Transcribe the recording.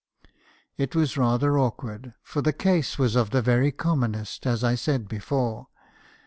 "It was rather awkward; for the case was of the very com monest, as I said before.